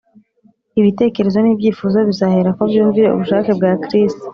. Ibitekerezo n’ibyifuzo bizaherako byumvire ubushake bwa Kristo